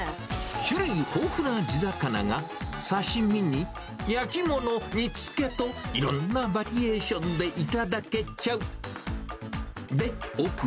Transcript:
種類豊富な地魚が、刺身に、焼き物、煮つけと、いろんなバリエーションで頂けちゃう。